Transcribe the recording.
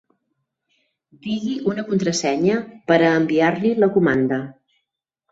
Digui una contrasenya per a enviar-li la comanda.